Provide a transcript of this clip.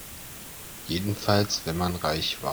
Jedenfalls wenn man reich war.